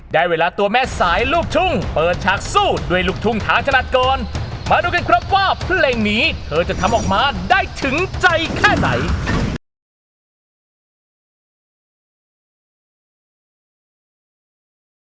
ได้เวลาตัวแม่สายลูกทุ่งเปิดฉากสู้ด้วยลูกทุ่งทางถนัดก่อนมาดูกันครับว่าเพลงนี้เธอจะทำออกมาได้ถึงใจแค่ไหน